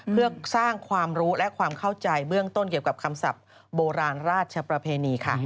เพื่อสร้างความรู้และความเข้าใจเบื้องต้นเกี่ยวกับคำศัพท์โบราณราชประเพณีค่ะ